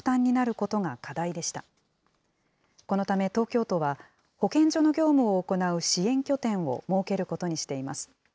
このため東京都は、保健所の業務を行う支援拠点を設けることにしています。